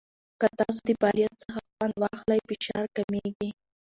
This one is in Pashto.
که تاسو د فعالیت څخه خوند واخلئ، فشار کمېږي.